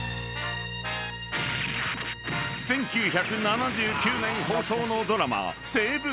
［１９７９年放送のドラマ］